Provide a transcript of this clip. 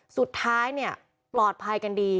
สุดท้ายเนี่ยปลอดภัยกันดี